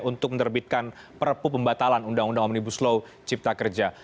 untuk menerbitkan perepup pembatalan ruu omnibus law cipta kerja